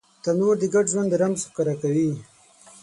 تنور د ګډ ژوند رمز ښکاره کوي